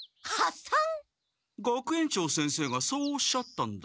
学園長先生がそうおっしゃったんだ。